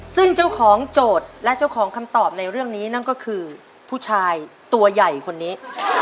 ซึ่งเจ้าของโจทย์และเจ้าของคำตอบในเรื่องนี้นั่นก็คือผู้ชายตัวใหญ่คนนี้